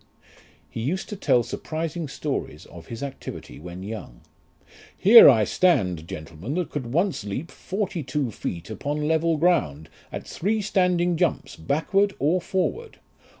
He used to tell surprising stories of his activity when young. "Here I stand, gentlemen, that could once leap forty two feet upon level ground, at three standing jumps, backward or forward.